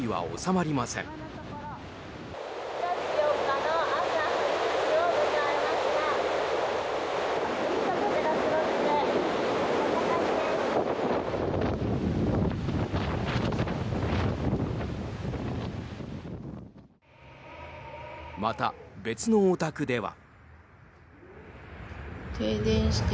また、別のお宅では。